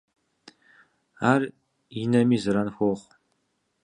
Ар и нэми зэран хуохъу.